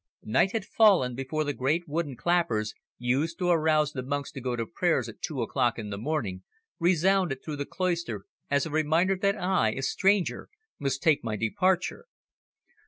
Night had fallen before the great wooden clappers, used to arouse the monks to go to prayers at two o'clock in the morning, resounded through the cloister as a reminder that I, a stranger, must take my departure.